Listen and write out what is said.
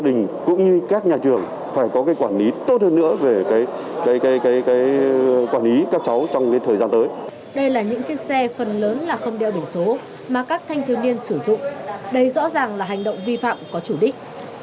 đây là những chiếc xe phần lớn là không đeo biển số mà các thanh thiếu niên sử dụng đây rõ ràng là hành động vi phạm có chủ đích